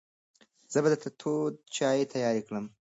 زه به درته تود چای تیار کړم.